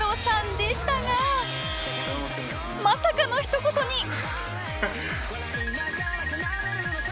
さんでしたがまさかのひと言に